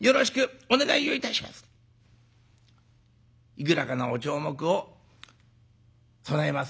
いくらかのお鳥目を供えます